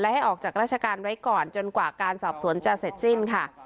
ให้ออกจากราชการไว้ก่อนจนกว่าการสอบสวนจะเสร็จสิ้นค่ะ